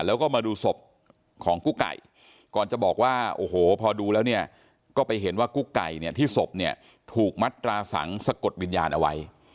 แล้วก็มาดูศพของกุ๊กไก่ก่อนจะบอกว่าโอ้โหพอดูแล้วเนี่ยก็ไปเห็นว่ากุ๊กไก่เนี่ยที่ศพเนี่ยถูกมัดตราสังสะกดวิญญาณเอาไว้